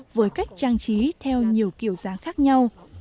với cách trang trí theo nhiều kiểu dáng khác nhau